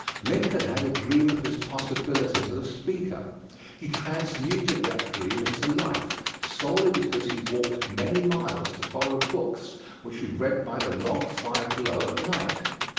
Lincoln had a dream of his possibilities as a speaker. He transmuted that dream into life solely because he walked many miles to borrow books which he read by the log fire glow at night.